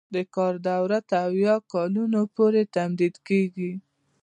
د کار دوره تر اویا کلونو پورې تمدید کیږي.